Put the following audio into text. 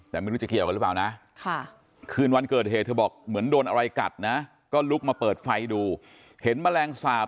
แต่ไม่รู้จะเกี่ยวกันรึเปล่านะ